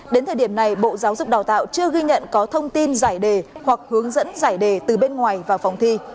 đến thời điểm này bộ giáo dục đào tạo chưa ghi nhận có thông tin giải đề hoặc hướng dẫn giải đề từ bên ngoài vào phòng thi